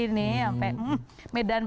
berat sekali nih